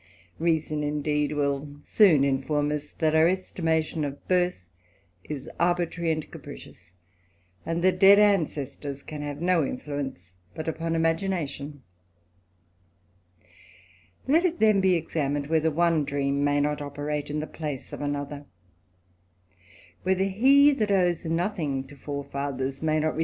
Reason, indeed, will soon . inform us, that our estimation of birth is arbitrary and capricious, and that dead ancestors can have no influence but upon imagination : let it then be examined, whether one dream may not operate in the place of another: whether he that owes nothing to forefathers, may not THE ADVENTURER.